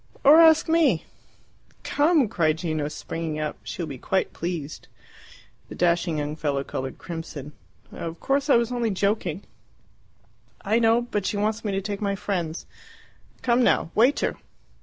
Or ask me!" "Come!" cried Gino, springing up. "She will be quite pleased." The dashing young fellow coloured crimson. "Of course I was only joking." "I know. But she wants me to take my friends. Come now! Waiter!"